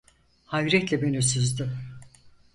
Hayretle beni süzdü.